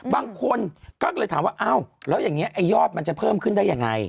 บางคนก็เลยถามว่าอ้าวแล้วอย่างนี้ไอ้ยอดมันจะเพิ่มขึ้นได้ยังไง